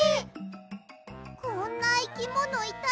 こんないきものいたら。